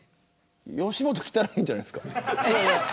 吉本きたらいいんじゃないですか。